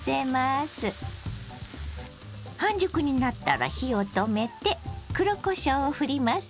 半熟になったら火を止めて黒こしょうをふります。